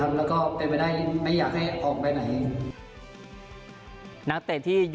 ไม่ได้ประโยชน์ออกไป